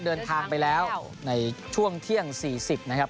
เดินทางไปแล้วในช่วงเที่ยง๔๐นะครับ